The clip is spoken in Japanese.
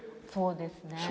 そうですね。